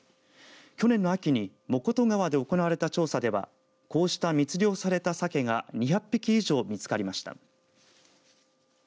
去年の秋に藻琴川で行われた調査ではこうした密漁されたさけが２００匹以上見つかりました。